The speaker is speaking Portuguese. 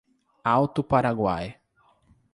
Alto Paraguai